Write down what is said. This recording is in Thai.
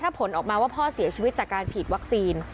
ถ้าผลออกมาว่าพ่อเสียชีวิตจากการฉีดวัคซีน